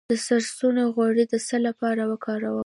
د سرسونو غوړي د څه لپاره وکاروم؟